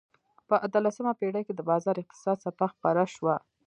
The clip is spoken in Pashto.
په اتلسمه پېړۍ کې د بازار اقتصاد څپه خپره شوه.